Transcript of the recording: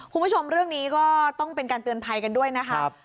คุณผู้ชมเรื่องนี้ก็ต้องเป็นการเตือนภัยกันด้วยนะครับ